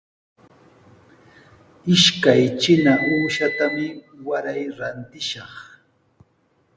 Ishkay trina uushatami waray rantishaq.